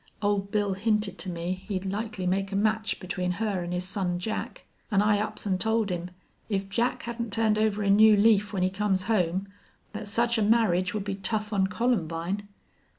Old Bill hinted to me he'd likely make a match between her an' his son Jack. An' I ups an' told him, if Jack hadn't turned over a new leaf when he comes home, thet such a marriage would be tough on Columbine.